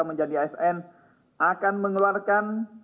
menjadi asn akan mengeluarkan